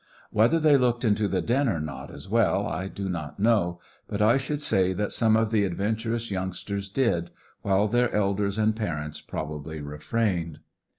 Whether they looked into the den or not, as well, I do not know; but I should say that some of the adventurous youngsters did, while their elders and parents probably refrained.